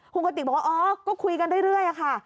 คุณกติกบอกว่าอ๋อก็คุยกันเรื่อยค่ะ